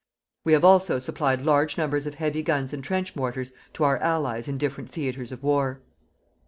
We have also supplied large numbers of heavy guns and trench mortars to our Allies in different theatres of war.